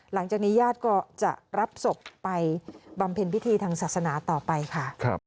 หลังจากนี้ญาติก็จะรับศพไปบำเพ็ญพิธีทางศาสนาต่อไปค่ะ